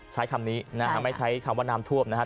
ใช้คำนี้นะฮะไม่ใช้คำว่าน้ำท่วมนะครับ